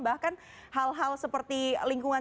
bahkan hal hal seperti lingkungan